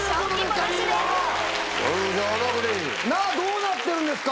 どうなってるんですか！